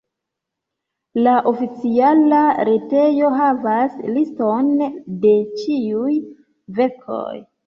La oficiala retejo havas liston de ĉiuj verkoj.